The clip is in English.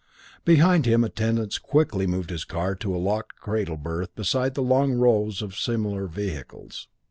Behind him attendants quickly moved his car to a locked cradle berth beside long rows of similar vehicles.